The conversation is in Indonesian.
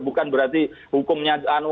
bukan berarti hukumnya banyak orang dihukum